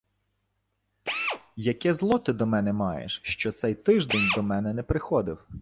Яке зло ти до мене маєш, що цей тиждень до мене не приходив?